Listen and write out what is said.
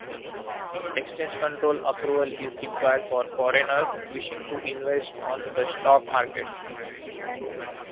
Exchange Control approval is required for foreigners wishing to invest on the stock market.